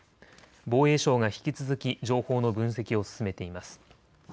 防衛省が引き続き情報の分析を進めています。